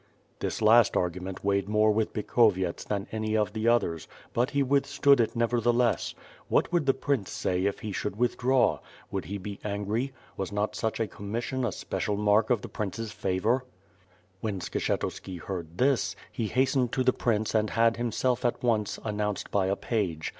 This last argument weighed more with Bikhovyets than any of the others, but he withstood it, nevertheless. What would the Prince say if he should withdraw; would he be angry? Was not such a commission a special mark of the Prince's favor? When Skshetuski heard this, he hastened to the prince and had himself at once announced by a page.